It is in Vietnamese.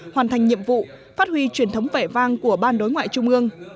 hoàn thành nhiệm vụ phát huy truyền thống vẻ vang của ban đối ngoại trung ương